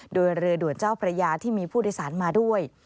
โดยเรือด่วนเจ้าพระยาที่มีผู้โดยสารมาด้วย